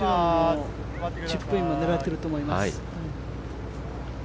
チップインも狙っていると思います。